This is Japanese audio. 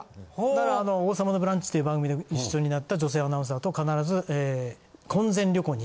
だから『王様のブランチ』っていう番組で一緒になった女性アナウンサーと必ず。